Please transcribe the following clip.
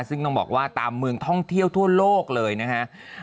ซึ่งต้องบอกว่าตามเมืองท่องเที่ยวทั่วโลกเลยนะครับ